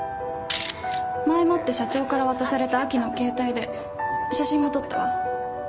前もって社長から渡された亜希の携帯で写真も撮ったわ。